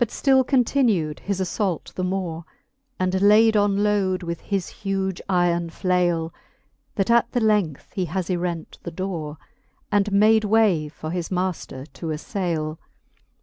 But ftill continu'd his aflault the more, And layd on load with his huge yron flaile, That at the length he has yrent the dore, And made way for his maifter to aflaile.